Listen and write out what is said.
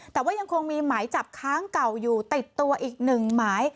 แต่ว่ายังคงมีหมายจับค้างเก่าอยู่ติดตัวอีกหนึ่งหมาย